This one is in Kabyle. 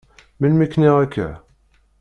Melmi k-d-nniɣ akka?